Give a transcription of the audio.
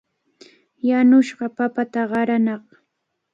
Yanushqa papata qaranaaq.